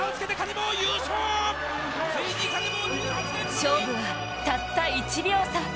勝負はたった１秒差。